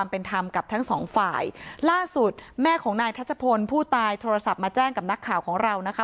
เป็นธรรมกับทั้งสองฝ่ายล่าสุดแม่ของนายทัชพลผู้ตายโทรศัพท์มาแจ้งกับนักข่าวของเรานะคะ